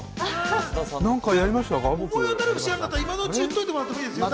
何かやりました？